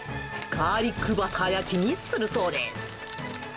ガーリックバター焼きにするそうです。